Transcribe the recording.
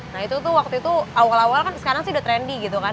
nah itu tuh waktu itu awal awal kan sekarang sih udah trendy gitu kan